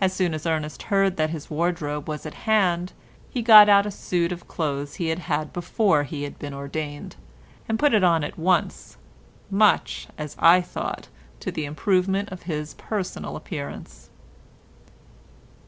As soon as Ernest heard that his wardrobe was at hand, he got out a suit of clothes he had had before he had been ordained, and put it on at once, much, as I thought, to the improvement of his personal appearance.